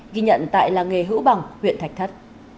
ghi nhận tại làng nghề hữu bằng huyện thạch thất